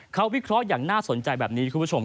เขาวิเคราะห์อย่างน่าสนใจแบบนี้